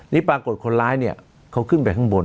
นี่ปรากฏคนร้ายเนี่ยเขาขึ้นไปข้างบน